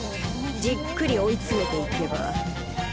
じっくり追い詰めて行けば。